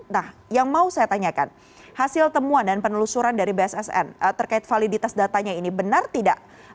nah yang mau saya tanyakan hasil temuan dan penelusuran dari bssn terkait validitas datanya ini benar tidak